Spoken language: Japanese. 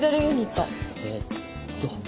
えっと。